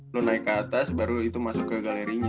lu naik ke atas baru itu masuk ke galerinya